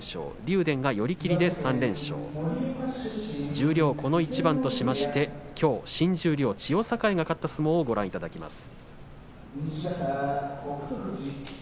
十両この一番としましてきょう新十両千代栄が勝った相撲をご覧いただきます。